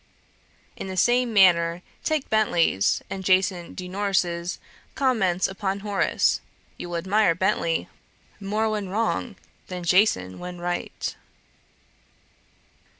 In the same manner take Bentley's and Jason de Nores' Comments upon Horace, you will admire Bentley more when wrong, than Jason when right.'